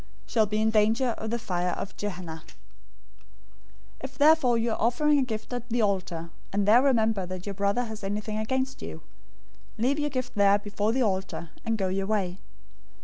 shall be in danger of the fire of Gehenna.{or, Hell} 005:023 "If therefore you are offering your gift at the altar, and there remember that your brother has anything against you, 005:024 leave your gift there before the altar, and go your way.